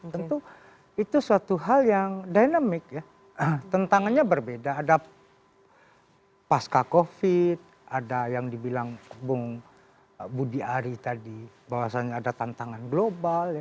tentu itu suatu hal yang dynamic ya tantangannya berbeda ada pasca covid ada yang dibilang bung budi ari tadi bahwasannya ada tantangan global